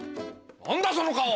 何だその顔！